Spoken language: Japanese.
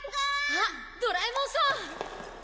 あっドラえもんさん！